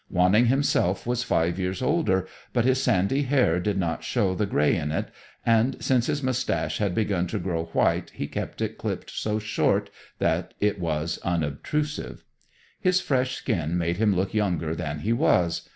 Wanning himself was five years older, but his sandy hair did not show the gray in it, and since his mustache had begun to grow white he kept it clipped so short that it was unobtrusive. His fresh skin made him look younger than he was.